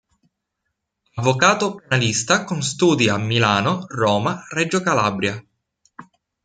Avvocato penalista con studi a Milano, Roma, Reggio Calabria.